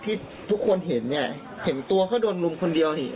ที่ทุกคนจะเห็นเนี่ยเห็นตัวเค้าโดนรุมบนเดียวเนี่ย